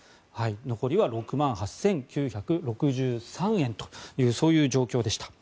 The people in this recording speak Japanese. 残りは６万８９６３円というそういう状況でした。